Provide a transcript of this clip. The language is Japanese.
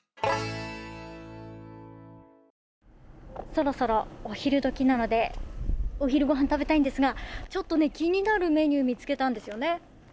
そろそろお昼時なのでお昼ごはんを食べたいんですがちょっと気になるメニューを見つけたんですよね。